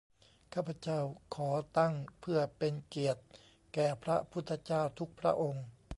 ข้าพเจ้าขอตั้งเพื่อเป็นเกียรติแก่พระพุทธเจ้าทุกพระองค์